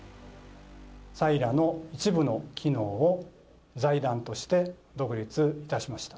サイラの一部の機能を財団として独立いたしました。